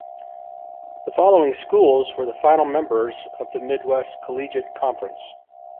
The following schools were the final members of the Midwest Collegiate Conference.